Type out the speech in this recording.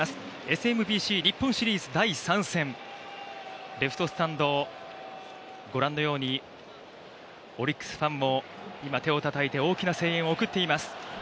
ＳＭＢＣ日本シリーズ第３戦、レフトスタンド、ご覧のようにオリックスファンも今、手をたたいて大きな声援を送っています。